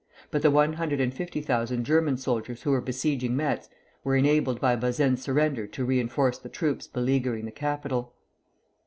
But the one hundred and fifty thousand German soldiers who were besieging Metz were enabled by Bazaine's surrender to reinforce the troops beleaguering the capital.